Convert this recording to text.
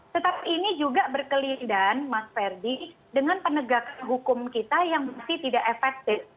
tetap ini juga berkelindahan mas verdi dengan penegakan hukum kita yang masih tidak efektif